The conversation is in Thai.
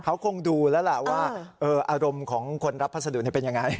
เขาคงดูแล้วล่ะว่าอารมณ์ของคนรับพัสดุเป็นยังไง